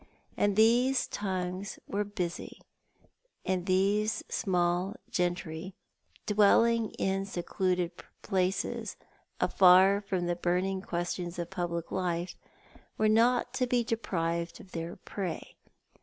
And these tongues were busy, and these small gentry, dwelling in secluded places, afar from the burning questions of public life, were not to be deprived of their prey.